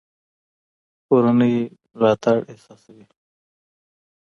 کورنۍ ملاتړ احساسوي.